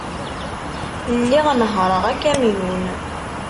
Lliɣ nehhṛeɣ akamyun.